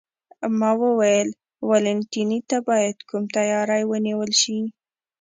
ما وویل: والنتیني ته باید کوم تیاری ونیول شي؟